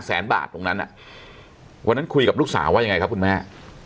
แสนบาทตรงนั้นวันนั้นคุยกับลูกสาวว่ายังไงครับคุณแม่